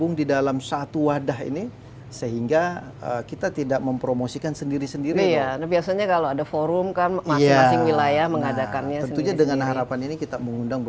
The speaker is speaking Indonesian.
udah dari sebelas provinsi itu